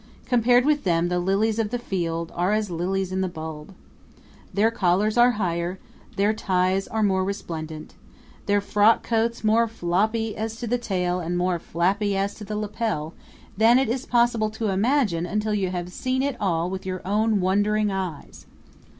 Compared with them the lilies of the field are as lilies in the bulb. Their collars are higher, their ties are more resplendent, their frock coats more floppy as to the tail and more flappy as to the lapel, than it is possible to imagine until you have seen it all with your own wondering eyes.